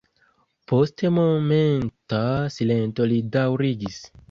Post momenta silento li daŭrigis.